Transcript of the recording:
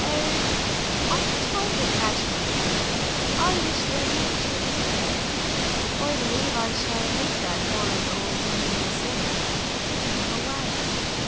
"Oh, I'm tired of 'magining! I wish they were really truly here. I believe I shall hate that horrid old India soon, for keeping them away.